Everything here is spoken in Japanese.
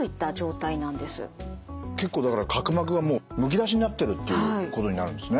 結構だから角膜がむき出しになってるっていうことになるんですね。